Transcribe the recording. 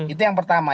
itu yang pertama